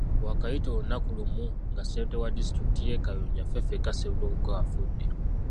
Waakayita olunaku lumu nga ssentebe wa disitulikiti y’e Kayunga, Ffeffeka Sserubogo, afudde.